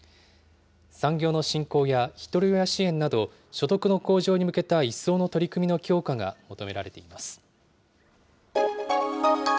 産業の振興やひとり親支援など、所得の向上に向けた一層の取り組みの強化が求められています。